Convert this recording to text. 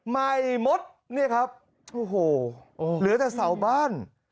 ใหม่หมดเนี่ยครับโอ้โหเหลือแต่เสาบ้าน